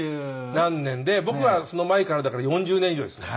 何年で僕はその前からだから４０年以上ですね。